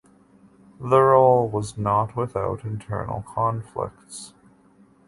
The role was not without internal conflicts.